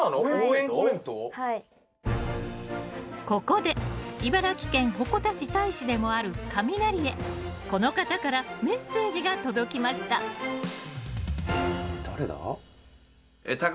ここで茨城県鉾田市大使でもあるカミナリへこの方からメッセージが届きました誰だ？